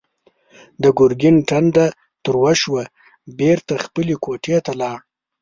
د ګرګين ټنډه تروه شوه، بېرته خپلې کوټې ته لاړ.